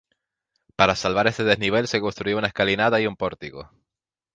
Para salvar ese desnivel se construyó una escalinata y un pórtico.